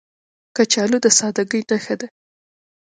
کچالو د سادګۍ نښه ده